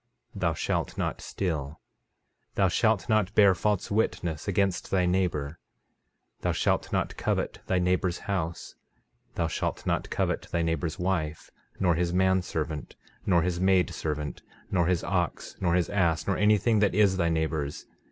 Thou shalt not steal. 13:23 Thou shalt not bear false witness against thy neighbor. 13:24 Thou shalt not covet thy neighbor's house, thou shalt not covet thy neighbor's wife, nor his man servant, nor his maid servant, nor his ox, nor his ass, nor anything that is thy neighbor's.